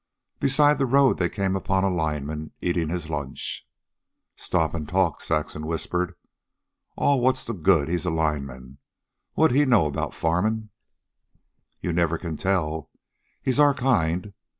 Beside the road they came upon a lineman eating his lunch. "Stop and talk," Saxon whispered. "Aw, what's the good? He's a lineman. What'd he know about farmin'?" "You never can tell. He's our kind.